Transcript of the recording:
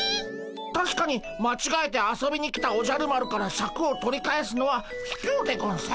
たしかにまちがえて遊びに来たおじゃる丸からシャクを取り返すのはひきょうでゴンス。